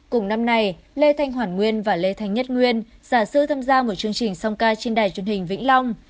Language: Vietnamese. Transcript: cùng năm nay lê thanh hoản nguyên và lê thanh nhất nguyên giả sư tham gia một chương trình song ca trên đài chương hình vĩnh long